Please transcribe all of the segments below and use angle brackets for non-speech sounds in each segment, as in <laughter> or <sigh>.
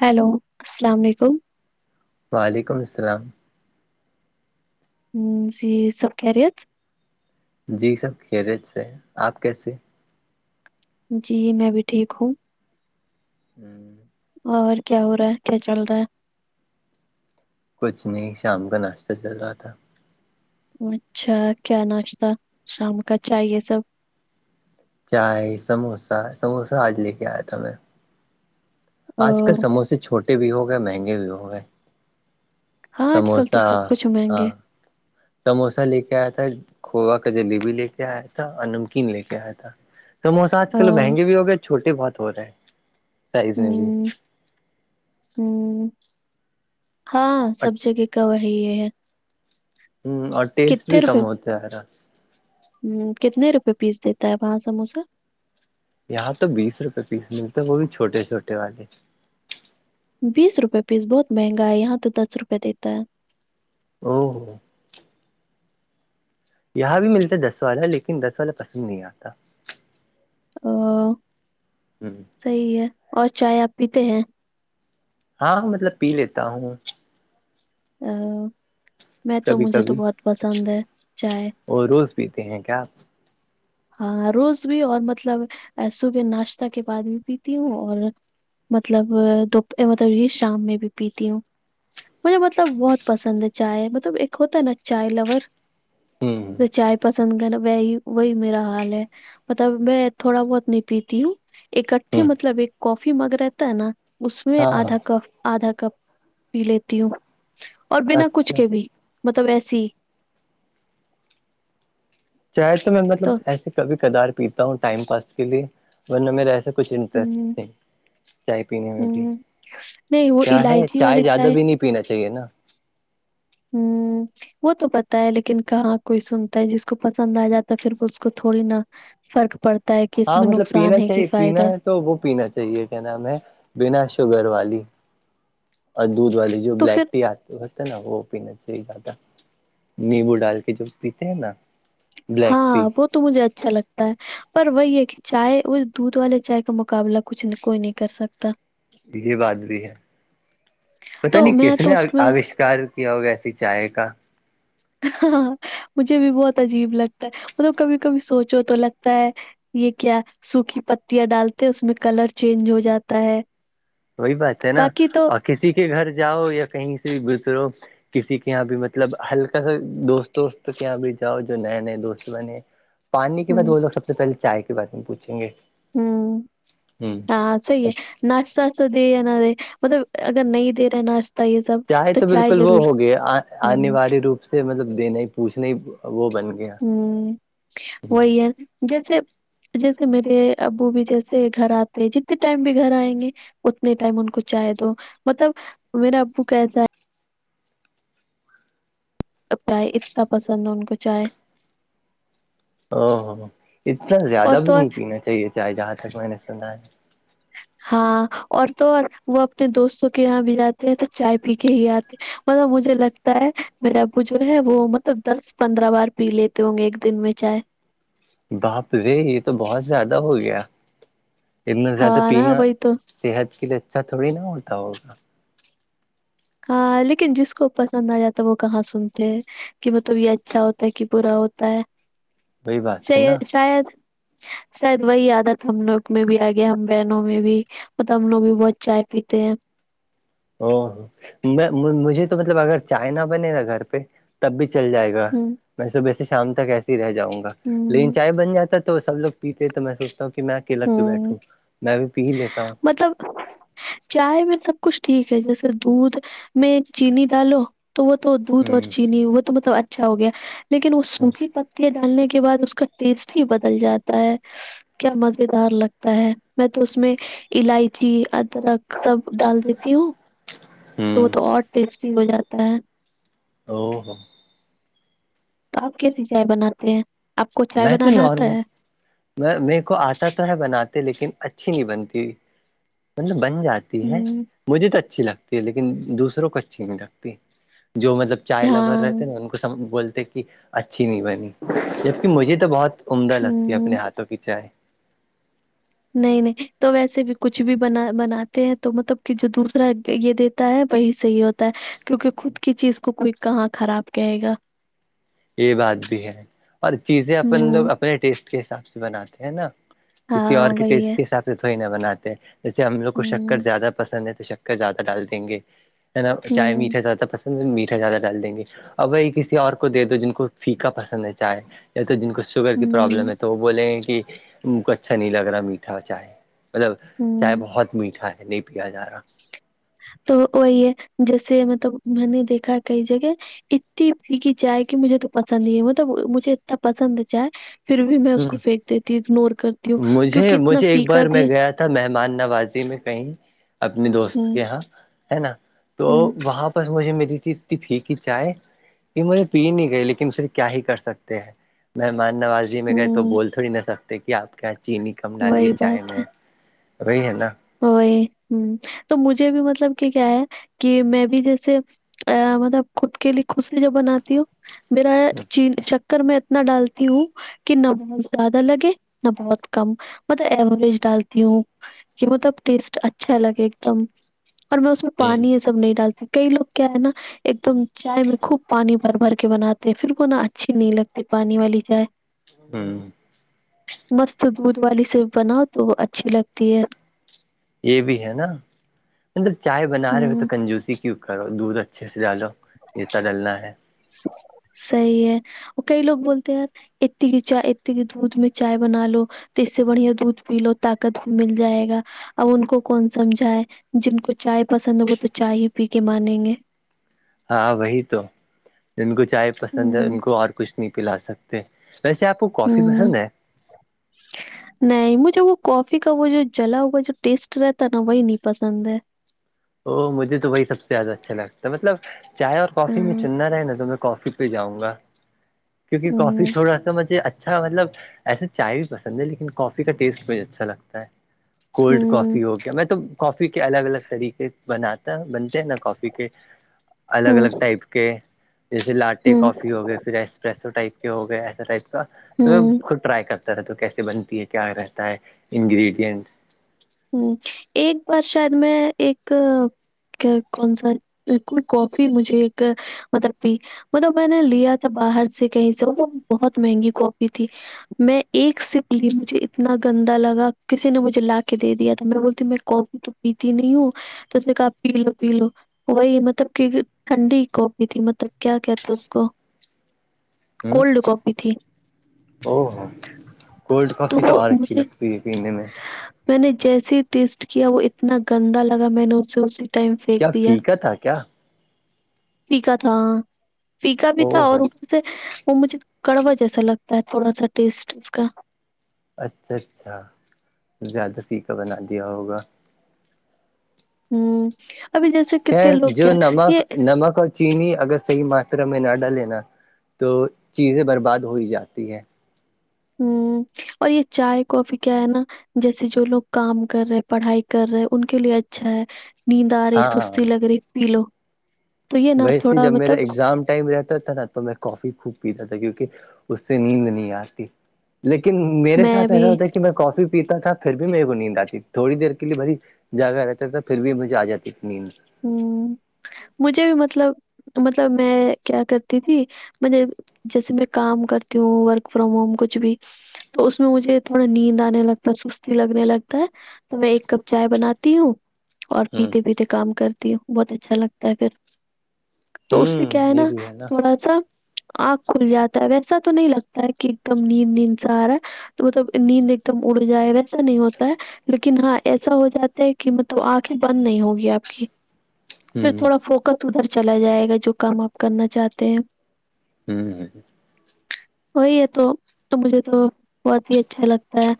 Hello السلام علیکم وعلیکم السلام ہ جی سب کی رت جی سب کریج سے ہے آپ کیسے جی میں بھی ٹھیک ہوں ھممم اور کیا ہو رہا ہے کیا چل رہا ہے کچنی سامک کو ناشتا چل آ تھا اچھا کیا ناشتہ شام کا چاہیے سب چائے سموسہ سموسہ آج لے کے آیا تھا میں آ، آج کل سموسے چھوٹے بھی ہو گئے مہنگے بھی ہو گئے ہاں آج کل تو سموسہ سب کچھ مہنگے ہاں سموسہ لے کے آیا تھا کھووا کا جلیبی لے کے آیا تھا اور نمکین لے کے آیا تھا سموسہ آج آ، کل مہنگے بھی ہو گئے چھوٹے بہت ہو رہے ہے سائز میں بھی ہوں ہاں اور سب جگہ کا وہی یہ ہے ہ اور ٹیسٹ بھی کم ہوتا ہے ارا ہ کتنے روپئے پیس دیتا ہے وہاں سموسہ یہاں تو بیس روپے پیس ملتے ہے وہ بھی چھوٹے چھوٹے والے بیس روپے پیس بہت مہنگا ہے یہاں تو دس روپے دیتا ہے او یہاں بھی ملتا ہے دس والا لیکن دس والا پسند نہیں آتا ا جی صحیح ہے اور چائے آپ پیتے ہیں ہاں مطلب پی لیتا ہوں ا میں تو کبھی مجھے تو بہت پسند ہے چائے وہ روز پیتے ہیں کیا ہاں روز بھی اور مطلب صبح ناشتہ کے بعد بھی پیتی ہوں اور مطلب دو مطلب یہ شام میں بھی پیتی ہوں مجھے مطلب بہت پسند ہے چائے مطلب ایک ہوتا ہے نا چائے لور ہوں تو چائے پسند کر وہی وہی میرا مطلب میں تھوڑا بہت نہیں پیتی ہوں اکٹھے ہوں مطلب ایک کافی مگ رہتا ہے نا اس میں ہاں ہاں آدھا کپ آدھا کپ پی لیتی ہوں اور بنا کچھ اچھا کے بھی مطلب ایسی چاہے تو میں مطلب ایسے کبھی کھار پیتا ہوں ٹائم پاس کے لیے ورنہ میرا ایسے کچھ انٹرسٹ ہوں نہیں چائے پینے میں بھی ہوں نہیں وہ کیا ہے الائچی چائے والی زیادہ بھی نہیں پینا چاہیے نا ھمم وہ تو پت ہے لیکن کہاں کوئی سنتا ہے جس کو پسند آ جاتا ہے پھر وہ اس کو تھوڑی نا فرق پڑتا ہے کہ اس ہاں میں مطلب نقصان پینا ہے کہ چاہیے پینا فائدہ ہے تو وہ پینا چاہیے کیا نام ہے بنا شوگر والی اور دودھ والی جو تو پھر بلیک ٹی آتی تو ہوتا ہے نا وہ پینا چاہی زیادہ نیمبو ڈال کے جو پیتے ہیں نا بلیک ٹی ہاں وہ تو مجھے اچھا لگتا ہے پر وہی ہے کہ چائے اس دودھ والے چائے کا مقابلہ کچھ کوئی نہیں کر سکتا یہ بات بھی ہے پتتا تو نہیں میں کس تو نے اس میں آوش کر کیا ہوگاسی چائے کا ہاں مجھے بھی بہت عجیب لگتا ہے مطلب کبھی کبھی سوچو تو لگتا ہے یہ کیا سوکھی پتیاں ڈالتے اس میں کلر چینج ہو جاتا ہے وہی بات ہے نا باقی تو اور کسی کے گھر جاؤ یا کہیں سے گزرو کسی کے یہاں بھی مطلب ہلکا سا دوست وست کے یہاں بھی جاؤ جو نئے نئے دوست بنے پانی کے بعد ہوں ب سب سے پہلے چائے کے بارے میں پوچھیں گے ہوں ہاں سی ہ ہے نش سس دےنا مطلب اگر نہیں دے رہے نرش چاہے تو بالکل وہ ہو گیا ہوں انواریہ روپ سے مطلب دنے ہی پوچھنا ہی وہ بن گیا ہوں وہی ہے جیسے جیسے میرے ابو بھی جیسے گھر آتے ہیں جتنے ٹائم بھی گھر آئیں گے اتنے ٹائم ان کو چائے دو مطلب میرا ابو کیسا ہے چائے اتنا پسند ہے ان کو چائے او ہو اتنا اور زیادہ تو بھی اور نہیں پینا چاہیے چائے جہاں تک میں نے سنا ہے ہاں اور تو وہ اپنے دوستوں کے یہاں بھی جاتے ہیں تو چائے پی کے ہی آتے ہیں مطلب مجھے لگتا ہے میرا ابو جو ہے وہ مطلب دس پندرہ بار پی لیتے ہوں گے ایک دن میں چاہے باپ رے یہ تو بہت زیادہ ہو گیا اتنا زیادہ ہاں نا پینا وہی تو صحت کے لیے اچھا تھوڑی نہا ہوتا ہوگا ہاں لیکن جس کو پسند آ جاتا ہے وہ کہاں سنتے ہیں کہ مطلب یہ اچھا ہوتا ہے کہ برا ہوتا وہی ش بات ہے نا شاید شاید وہی عادت ہم لوگ میں بھی آ گیا ہم بہنوں میں بھی وہ تم نے بھی بہت چائے پیتے ہیں او میں مجھے تو مطلب اگر چائنا بنے گا گھر پہ تب بھی چل جائے گا ہوں میں صبح سے شام تک ایسے ہی رہ جاؤں گا ہوں لیکن چائے بن جاتا ہے تو سب لوگ پیتے ہیں تو میں سوچتا ہوں کہ میں اکیلا پ کی ہوں بیٹھوں میں بھی پی ہی لیتا ہوں مطلب چائے میں سب کچھ ٹھیک ہے جیسے دودھ میں چینی ڈالو تو وہ تو دودھ اور چینی وہ تو مطلب اچھا ہو گیا لیکن وہ ہ سوکھی پ پ ڈالنے کے بعد اس کا ٹیسٹ ہی بدل جاتا ہے کیا مزہ مزے دار لگتا ہے میں تو اس میں الائچی ادرک سب ڈال دیتی ہوں تو وہ ہ تو اور ٹیسٹی ہو جاتا ہے او ہوو تو آپ کیسی چائے بناتے ہیں آپ کو چائے میں تو بنانا آتا نارمل ہے میں میرے کو آتا تو ہے بناتے لیکن اچھی نہیں بنتی ہوئی مطلب بن جاتی ہے ہوں مجھے تو اچھی لگتی ہے لیکن دوسروں کو اچھی نہیں لگتی جو مطلب چائے لبور ہاں رہتے نا ان کو سھ بولتے اچھی نہیں بنی جبکہ مجھے تو بہت عمدہ لگتی ہے ہوں اپنے ہاتھوں کی چائے نہیں نہیں تو ویسے بھی کچھ بھی بنا بناتے ہیں تو مطلب کہ جو دوسرا یہ د ہوتا ہے وہی صحیح ہوتا ہے کیونکہ خود کی چیز کو کوئک کہاں خراب کہے گا یہ بات بھی ہے اور چیزیں اپن لوگ ہوں اپنے ٹیسٹ کے حساب سے بناتے ہیں نا کسی اور ہاں کے وہی ٹیسٹ ہے کے حساتھ سے تھوئی نہ بناتے جیسے ہم لوگ کو شکر ہوں زیادہ پسند ہے تو شر زیادہ ڈال دیں گے ہے نا چائے ہوں میٹھا زیادہ پس میٹھا زیادہ ڈال دیں گے اور وہی کسی اور کو دے دو جن کو پھیکا پسند ہے چائےے یا تو جن کو شوگر کی پروابلم ہوں ہے تو وہ بولیں گے کہ ان کو اچھا نہیں لگ رہا میٹھا چائے مطلب چائے ہوں بہت میٹھا ہے نہیں پیا جا رہا تو وہی ہے جیسے مطلب میں نے دیکھا کئی جگہ اتنی پی چائے کہ مجھے تو پسند ہی ہے مطلب مجھے اتنا پسند ہے چائے پھر بھی میں اس ہ کو پھینک دیتی ہوں اگنور کرتی ہوں مجھے کیونکہ اتنا مجھے ایک فیکا بار میں بھی گیا مہمان نوازی میں کہیں اپنی دوست ہوں، کے یہاں ہے نا تو ہوں، وہاں بس مجھے میری تھی اتنی پھیکی چائے یہ مجھے پی نہیں گئی لیکن پھر کیا ہی کر سکتے ہیں مہمان نواز گئے تو ہوں، بول تھڑ نہ سکتے کہ آپ کے یہاں چینی کم ڈالیے وہی چائے میں وہی ہے نا ا یہ ہ تو مجھے بھی مطلب کہ کیا ہے کہ میں بھی جیسے مطلب خود کے لیے خشی جوب بناتی ہ میرا چین کر میں اتنا ڈالتی ہوں کہ نہ بہت زیادہ لگے نہ بہت کم ملب ایوریج ڈالتی ہوں کہ مطلب ٹیسٹ اچھا لگے ایک دم اور میں اس میں ہ پانی سب نہیں ڈالتے کئی لگ کیا ہے نا ایک دم چائے میں خوب پانی بھر بھر کے بناتے پھر کو نہ اچھی نہیں لگتی پانی والی چائے ہاں مست دودھ والی سے بناؤ تو اچھی لگتی ہے یہ بھی ہے نا مطلب چائے بنا رہے ہو تو ہوں کنجوسی کیوں کرو دودھ اچھا اچھے سے ڈالو جیتا ڈلنا ہے صحی ہے وہ کئی لوگ بولتے ہیں یار اتی کی چائے اتتی کی دودھ میں چائے بنا لو تو اس سے بڑھیا دودھ پی لو طاقت بھی مل جائے گا ا ان کو کون سمجھائے جن کو چائے پسند ہے وہ تو چائے ہی پی کے مانیں گے ہاں وہی تو ان کو چائے پسند ہے ان ہوں کو اور کچھ نہیں پلا سکتے ویسے آپ کو کافی پسند ہے ج نہیں مجھے وہ کافی کا وہ جو جلا ہوا جو ٹیسٹ رہتا ہے نا وہی نہیں پسند ہے ا مجھے تو وہی سب سے زیادہ اچھا لگتا ہے مطلب چائے اور کافی میں امم، چننا رہے نا تو میں کافی پ جاؤں گا کیونکہ کافی امم، تھوڑا سا مجھے اچھا اچھا مطلب ایسے چائے بھی پسند ہے لیکن کافی کا ٹیسٹ بھی اچھا لگتا ہے کولڈ امم، کافی ہو گیا میں تو کافی کے الگ الگ طریقے بناتا بنتے ہیں نا کافی کے الگ الگ امم، ٹائپ کے جیسے لاٹے کافی ہو گئے پھر ایسے پسو ٹائپ کے ہو گئے ایسے ٹائپ کا تو میں امم۔ خود ٹرائی کرتا طرح تو کیسے بنتی ہے کیا رہتا ہے انگریڈینٹ ہ ایک بار شاید میں ایک کون سا کو کافی مجھے ایک مطلب مطلب میں نے لیا تھا باہر سے کہیں سے وہ بہت مہنگی کاپی تھی میں ایک سپ لی مجھے اتنا گندا لگا کسی نے مجھے لا کے دے دیا تھا میں بولتی میں کافی تو پیتی نہیں ہوں تو نے کہا پی لو پی لو وہی مطلب کہ ٹھنڈی کوپی تھی مطلب کیا کہتے اس کو ہ کولڈ کاپی تھی او ہو کولڈ کافی تو وہ اور اچھی مجھے لگتی ہے پینے میں میں نے جیسے ہی ٹیسٹ کیا وہ اتنا گندا لگا میں نے اسے اس ٹائم پھینک کیا دیا فیکا تھا کیا ٹھیکا تھا پیکا بھی تھا او اور ہو ا سے وہ مجھے کڑوا جیسا لگتا ہے تھوڑا سا ٹیسٹ اس کا اچھا اچھا زیادہ پیکا بنا دیا ہوگا ہوں ابھی جیسے خیر کتنے لوگ جو کیا نمک یہ نمک اور چینی اگر صحیح ماترا میں نہ ڈالےینا تو چیزیں برباد ہو ہی جاتی ہے ہوں اور یہ چائے کافی کیا ہے نا جیسے جو لوگ کام کر رہے پڑھائی کر رہے ان کے لیے اچھا ہے نیند آ رہی ہاں سستی لگ رہی پی لو تو یہ نا ویسے ہی تھوڑا جب میرا مطلب ایگزام ٹائم رہتا تھا نا تو میں کافی خوب پیتا تھا کیونکہ اس سے نیند نہیں آتی لیکن میرے میں ساتھ بھی ایسا ہوتا ہے کہ میں کافی پیتا تھا پھر بھی میںیرے کو نیند آتی تھوڑی دیر کے لیے بھری جاگا رہتا تھا پھر بھی مجھے آ جاتی ا نیند ہوں مجھے بھی مطلب مطلب میں کیا کرتی تھی میں جیسے میں کام کرتی ہوں ورک فرام ہوم کچھ بھی تو اس میں مجھے تھوڑا نیند آنے لگتا ہے سستی لگنے لگتا ہے تو میں ایک کپ چائے بناتی ہوں اور ہ پیتے پیتے کام کرتی بہت اچھا لگتا ہے پھر ہ تو اس سے کیا ہے نا تھوڑا سا آگ کھل جاتا ہے ویسا تو نہیں لگتا ہے کہ ایک دم نیند نیند س آ رہا تو مطلب نیند ایک دم اڑ جائے ویسا نہیں ہوتا ہے لیکن ہاں ایسا ہو جاتا ہے کہ مطلب آنکھیں بند نہیں ہو گی آپ ہ پھر تھوڑا فوکس ادھر چلا جائے گا جو کام آپ کرنا چاہتے ہیں ہوں ہوں وہی ہے تو مجھے تو بہت ہی اچھا لگتا ہے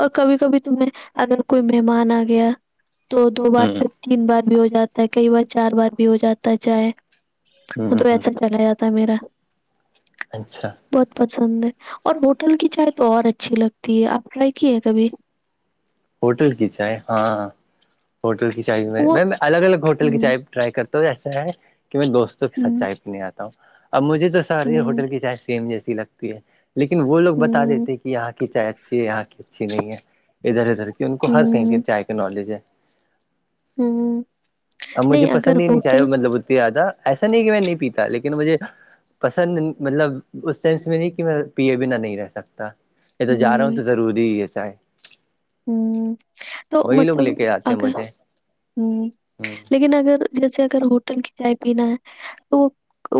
اور کبھی کبھی تمہیں اگر کوئی مہمان آ گیا تو دو بار ہ سے تین بار بھی ہو جاتا ہے کئی بار چار بار بھی ہو جاتا ہے چاہے وہ ہ تو ہ ایسا چلا جاتا میرا اچھا بہت پسند ہے اور ہوٹل کی چائے تو اور اچھی لگتی ہے آپ ٹرائی کیے کبھی ہوٹل کی چائے ہاںاں ہوٹل کی چائے بھی وہ میم الگ الگ ہوٹل کی ہوں چائے ٹرائی کرتا ہ ایسا ہے کہ میں دوستوں کے ساتھ ہوں چائے پینے آتا ہوں اب مجھے تو ساریے ہوں ہوٹل کی چائے سیم جیسی لگتی ہے لیکن وہ لوگ بتا ہوں دیتے کہ یہاں کی چائے اچھی ہے یہاں کی اچھی نہیں ہے ادھر ادھر کہ ان کو ہر کہیں کے ہوں چائے کے نالج ہے ہوں اب مجھے نہیں اگر پسند ہی نہیں چاہے ہوٹل مطلب اتتی زیادہ ایسا نہیں کہ میں نہیں پیتا لیکن مجھے پسند مطلب اس سینس میں نہیں کہ میں پیے بنا نہیں رہ سکتا یہ تو جا رہا ہوں تو ضروری ہی ہے چاہے ہوں تو وہی لوگ مطلب لے کے آتے ہیں اگر مجھے ہوں لیکن اگر جیسے اگر ہوٹل کی چائے پینا ہے تو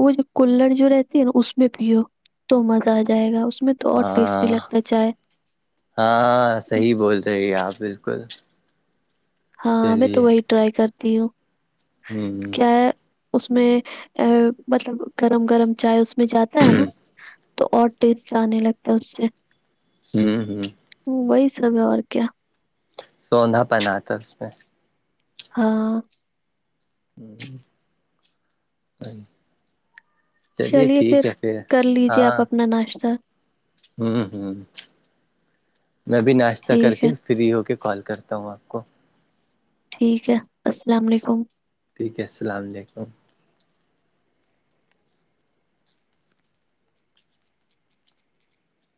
وہ جو کلڑ جو رہتی ہے نا اس میں پیو تو مزہ آ جائے گا اس میں تو اور ٹیسٹی ہاں لگتا ہے چائے ہاں صحیح بول رہےی آپ بالکل ہاں میں تو چلیے وہی ٹرائی کرتی ہوں ہوں کیا اس میں ا مطلب گرم گرم چائے اس میں جاتا ہے نا تو اور تٹیز آنے لگتا اس سے ہوں ہوں وہی سب ہے اور کیا سوندھا پن آ تھا اس میں ہاں <unintelligible> چلیے ٹھیک ہے پھر کر لیجیے ہاں آپ اپنا ناشتا ہوں ہوں میں بھی ناشتہ کر ٹھیک کے ہے فری ہو کے کال کرتا ہوں آپ کو ٹھیک ہے السلام علیکم <unintelligible>